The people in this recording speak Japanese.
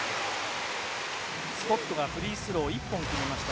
スコットがフリースロー１本決めました。